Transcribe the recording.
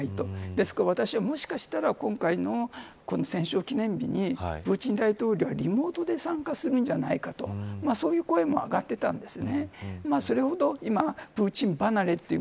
ですから私はもしかしたら今回の戦勝記念日にプーチン大統領はリモートで参加するんじゃないかとそういう声も上がってたんです。